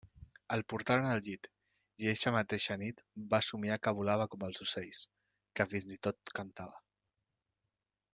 El portaren al llit i eixa mateixa nit va somniar que volava com els ocells, que fins i tot cantava.